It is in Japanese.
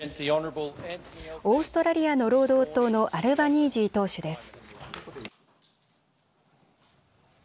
オーストラリアの労働党のアルバニージー党首です。